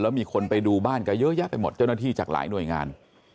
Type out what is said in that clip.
แล้วมีคนไปดูบ้านก็เยอะแยะไปหมดเจ้าหน้าที่จากหลายหน่วยงาน